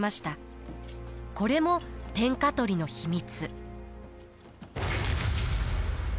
これも天下取りの秘密。